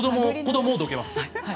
子どもをどけます。